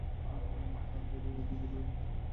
হ্যাঁ, গ্যারি, আমি বোবায় ধরার মানে জানি।